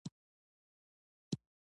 متل دی: په ړندو کې د یوې سترګې واله باچا دی.